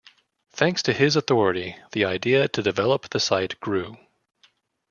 Thanks to his authority the idea to develop the site grew.